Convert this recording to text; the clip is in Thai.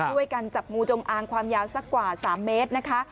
ช่วยกันจับงูจงอางความยาวสักกว่า๓เมตรนะคะ